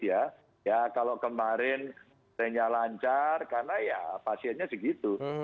ya kalau kemarin trennya lancar karena ya pasiennya segitu